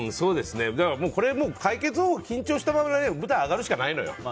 これの解決法は、緊張したまま舞台に上がるしかないのよ。